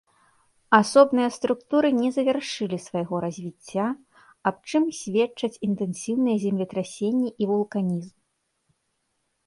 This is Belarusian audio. Асобныя структуры не завяршылі свайго развіцця, аб чым сведчаць інтэнсіўныя землетрасенні і вулканізм.